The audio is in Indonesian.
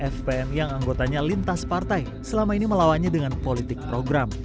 fpm yang anggotanya lintas partai selama ini melawannya dengan politik program